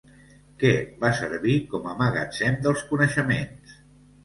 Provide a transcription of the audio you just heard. Què va servir com a magatzem dels coneixements?